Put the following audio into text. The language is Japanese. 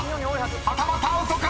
はたまたアウトか⁉］